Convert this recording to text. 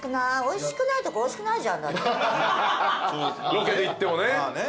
ロケで行ってもね。